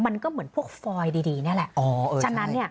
มันก็เหมือนพวกฟอยดีเนี่ยแหละอ๋อเออใช่ฉะนั้นเนี่ย